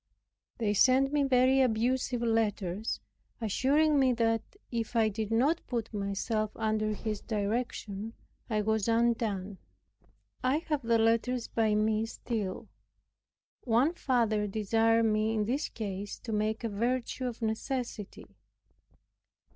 They sent me very abusive letters, assuring me that, if I did not put myself under his direction, I was undone. I have the letters by me still. One father desired me in this case to make a virtue of necessity.